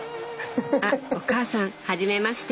あお母さんはじめまして。